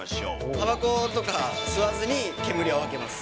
たばことか吸わずに煙を吐けます。